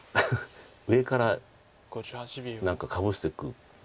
上から何かかぶしていく。